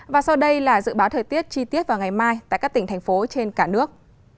và sau đây là dự báo thời tiết chi tiết vào ngày mai tại các tỉnh thành phố trên cả nước